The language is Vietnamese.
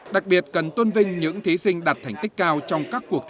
đặc biệt cần tôn vinh những thí sinh đạt thành tích cao